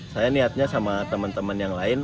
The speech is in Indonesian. saya niatnya sama teman teman yang lain